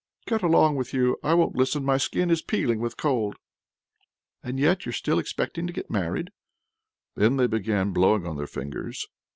"Get along with you! I won't listen; my skin is peeling with cold." "And yet you're still expecting to get married!" Then they began blowing on their fingers.